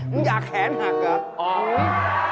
อุ้งอยากแขนหักเลย